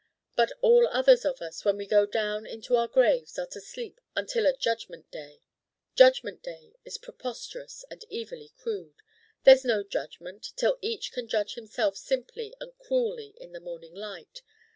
But all others of us when we go down into our graves are to sleep until a Judgment Day. 'Judgment Day' is preposterous and evilly crude: there's no judgment till each can judge himself simply and cruelly in the morning light.